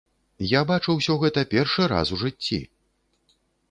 Я бачу ўсё гэта першы раз у жыцці.